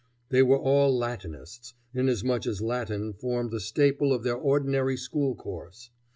They were all Latinists, inasmuch as Latin formed the staple of their ordinary school course.